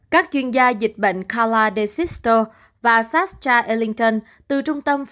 các chuyên gia dịch bệnh carla de sisto và sasha ellington từ trung tâm phòng ngừa bệnh